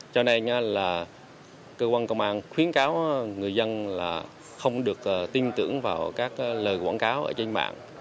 cho nên là cơ quan công an khuyến cáo người dân là không được tin tưởng vào các lời quảng cáo ở trên mạng